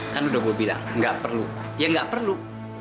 kan udah gue bilang enggak perlu ya enggak perlu